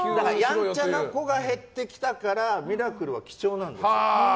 やんちゃな子が減ってきたからミラクルは貴重なんです。